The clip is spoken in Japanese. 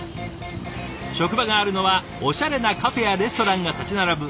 職場があるのはおしゃれなカフェやレストランが立ち並ぶ